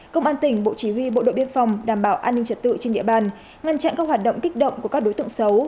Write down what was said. công an tỉnh bộ chỉ huy bộ đội biên phòng đảm bảo an ninh trật tự trên địa bàn ngăn chặn các hoạt động kích động của các đối tượng xấu